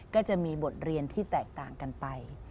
ก็จะมีบทเรียนที่แตกต่างกันไป